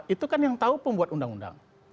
itu kan yang tahu pembuat undang undang